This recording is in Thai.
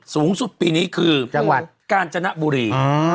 สูงสุดปีนี้คือกาญจนบุรี